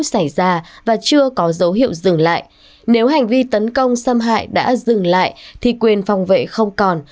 xảy ra và chưa có dấu hiệu dừng lại nếu hành vi tấn công xâm hại đã dừng lại thì quyền phòng vệ không còn